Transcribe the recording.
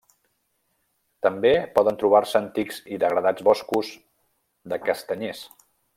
També poden trobar-se antics i degradats boscos de castanyers.